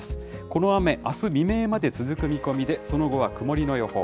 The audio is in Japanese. この雨、あす未明まで続く見込みで、その後は曇りの予報。